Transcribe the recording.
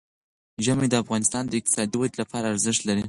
ژمی د افغانستان د اقتصادي ودې لپاره ارزښت لري.